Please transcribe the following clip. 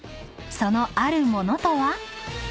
そのあるモノとは？］